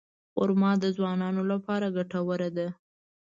خرما د ځوانانو لپاره ډېره ګټوره ده.